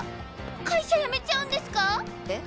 会社辞めちゃうんですか⁉え？